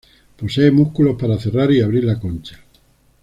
Posee músculos para cerrar y abrir la concha.